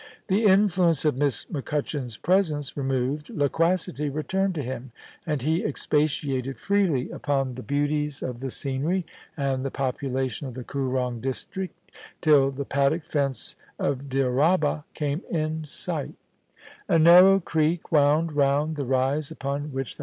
The influence of Miss MacCutchan's presence removed, loquacity returned to him, ^nd he expatiated freely upon the beauties of the scenery and the population of the Koorong district, till the paddock fence of Dyraaba came in sight A narrow creek wound round the rise upon which the 58 FOLIC V AND PASS/OAT.